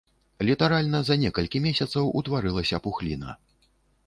Літаральна за некалькі месяцаў утварылася пухліна.